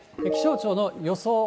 気象庁の予想